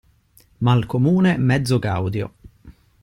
Mal comune, mezzo gaudio.